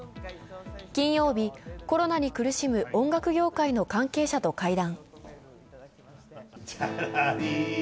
金曜日、コロナに苦しむ音楽業界の関係者と会談。